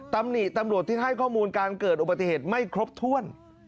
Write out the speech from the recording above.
ตำหนิตำรวจที่ให้ข้อมูลการเกิดอุบัติเหตุไม่ครบถ้วน